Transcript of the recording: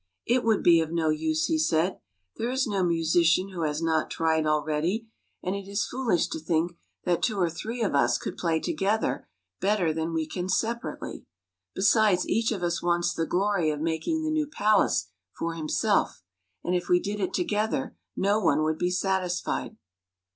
" It would be of no use," he said. " There is no musician who has not tried already, and it is foolish to think that two or three of us could play together better than we can separately. Besides, each of us wants the glory of making the new palace for himself, and if we did it together no one would be satisfied."